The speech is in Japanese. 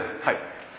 はい。